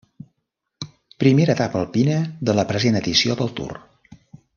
Primera etapa alpina de la present edició del Tour.